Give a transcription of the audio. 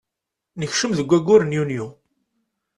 Nekcem deg waggur n yunyu.